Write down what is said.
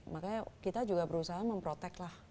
makanya kita juga berusaha memprotek lah